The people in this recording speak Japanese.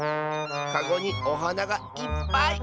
かごにおはながいっぱい！